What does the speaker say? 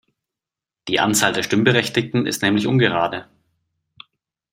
Die Anzahl der Stimmberechtigten ist nämlich ungerade.